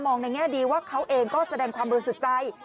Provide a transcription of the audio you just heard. มองในแง่ดีว่าเขาเองก็แสดงความรู้สึกใจ